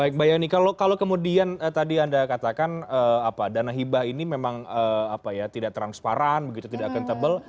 baik mbak yani kalau kemudian tadi anda katakan dana hibah ini memang tidak transparan tidak akuntabel